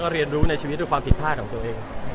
เรียนรู้ในชีวิตด้วยความผิดพลาดของตัวเอง